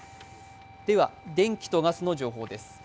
では、電気とガスの情報です。